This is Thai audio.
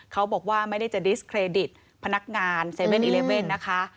เขาบอกว่าไม่ได้จะดิสเครดิตพนักงาน๗๑๑นะคะ